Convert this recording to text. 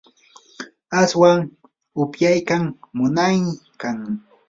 aswa upyaytam munaykan.